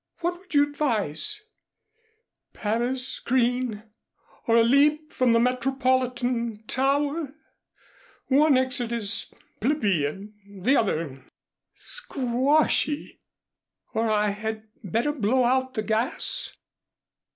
What would you advise, Paris green or a leap from the Metropolitan Tower? One exit is plebeian, the other squashy; or had I better blow out the gas?